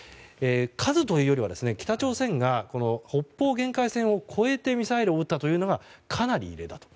数というよりは北朝鮮が、北方限界線を越えてミサイルを撃ったというのがかなり異例だと。